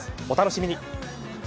お楽しみに。